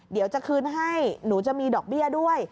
เดี๋ยวจะคืนให้หนูจะมีดอกเบี้ยด้วย